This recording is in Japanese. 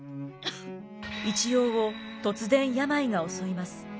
一葉を突然病が襲います。